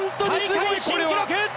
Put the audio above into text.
大会新記録！